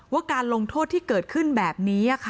การลงโทษที่เกิดขึ้นแบบนี้